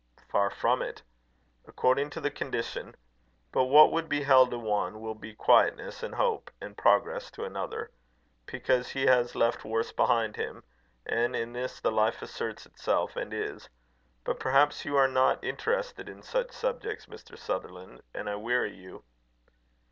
"Far from it. According to the condition. But what would be hell to one, will be quietness, and hope, and progress to another; because he has left worse behind him, and in this the life asserts itself, and is. But perhaps you are not interested in such subjects, Mr. Sutherland, and I weary you."